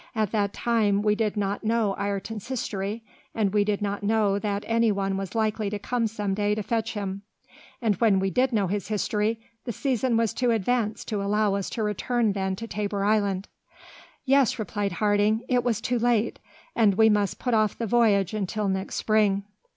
"At that time we did not know Ayrton's history; we did not know that any one was likely to come some day to fetch him; and when we did know his history, the season was too advanced to allow us to return then to Tabor Island." "Yes," replied Harding, "it was too late, and we must put off the voyage until next spring."